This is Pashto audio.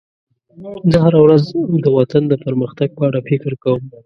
زه هره ورځ د وطن د پرمختګ په اړه فکر کوم.